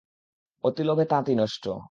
অতি লোভে তাঁতি নষ্ট।